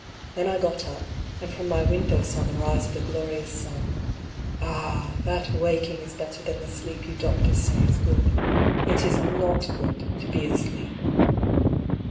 Then I got up, and from my window saw the rise of the glorious sun — ah! that waking is better than the sleep you doctors say is good. It is not good, to be asleep